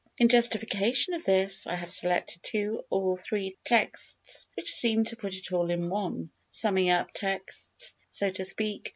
In justification of this, I have selected two or three texts which seem to put it all in one; summing up texts, so to speak.